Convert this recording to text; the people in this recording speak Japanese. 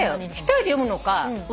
１人で読むのか。